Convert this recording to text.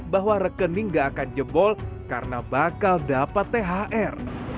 bahwa rekening gak akan jebol karena bakal dapat thr